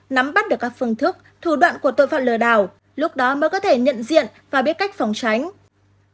nắm bắt được các phương thức thủ đoạn của tội phạm lừa đảo lúc đó mới có thể nhận diện và biết cách phòng tránh